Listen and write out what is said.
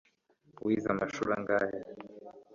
wize amashuri angahe